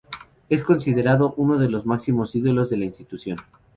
Es considerado uno de los máximos ídolos de la institución